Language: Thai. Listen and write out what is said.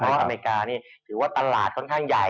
อเมริกานี่ถือว่าตลาดค่อนข้างใหญ่